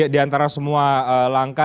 di antara semua langkah